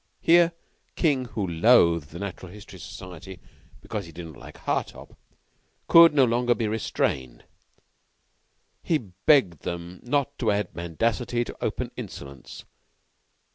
Here King, who loathed the Natural History Society because he did not like Hartopp, could no longer be restrained. He begged them not to add mendacity to open insolence.